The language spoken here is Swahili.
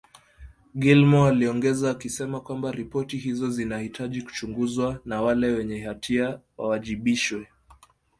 Gilmore aliongeza akisema kwamba ripoti hizo zinahitaji kuchunguzwa na wale wenye hatia wawajibishwe